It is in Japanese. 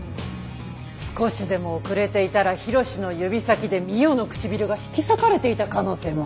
少しでも遅れていたら緋炉詩の指先でみよの唇が引き裂かれていた可能性も。